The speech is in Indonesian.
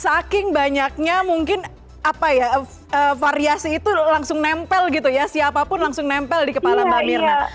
saking banyaknya mungkin apa ya variasi itu langsung nempel gitu ya siapapun langsung nempel di kepala mbak mirna